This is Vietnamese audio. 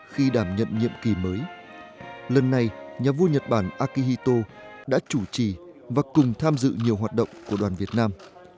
khi đảm nhận nhiệm kỳ mới lần này nhà vua nhật bản akihito đã chủ trì và cùng tham dự nhiều hoạt động của đoàn việt nam